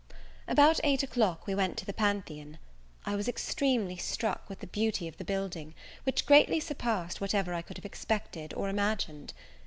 About eight o'clock we went to the Pantheon. I was extremely struck with the beauty of the building, which greatly surpassed whatever I could have expected or imagined.